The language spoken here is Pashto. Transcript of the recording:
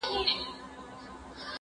زه پرون سړو ته خواړه ورکوم؟